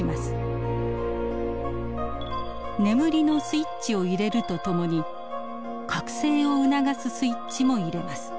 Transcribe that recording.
眠りのスイッチを入れるとともに覚醒を促すスイッチも入れます。